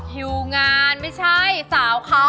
คิวงานไม่ใช่สาวเขา